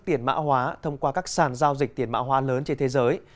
tiền mã hóa thông qua các sàn giao dịch tiền mã hóa lớn trên thế giới